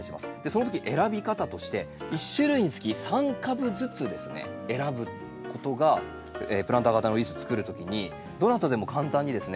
その時選び方として１種類につき３株ずつですね選ぶことがプランター型のリースつくる時にどなたでも簡単にですね